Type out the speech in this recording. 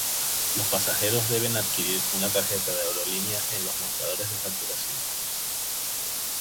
Los pasajeros deben adquirir una tarjeta de aerolínea en los mostradores de facturación.